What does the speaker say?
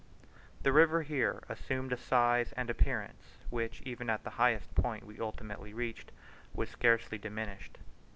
The river here assumed a size and appearance which, even at the highest point we ultimately reached, was scarcely diminished.